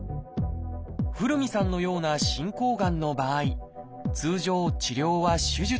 古海さんのような進行がんの場合通常治療は手術です。